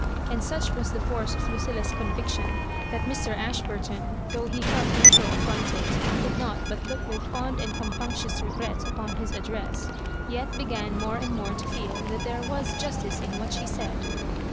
And such was the force of Lucilla's conviction, tiiat Mr. Asli Digitized by VjOOQIC loss MABJrOBIBANEB. 127 barton, though he felt a little afflronted, and could not but look with fond and compunctious regret upon his address, yet began more and more to feel that there was justice in what she said.